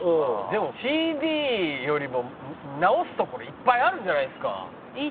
でもＣＤよりも直すところいっぱいあるんじゃないですか？